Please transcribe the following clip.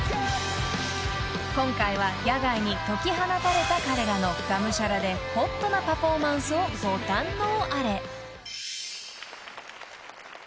［今回は野外に解き放たれた彼らのがむしゃらでホットなパフォーマンスをご堪能あれ］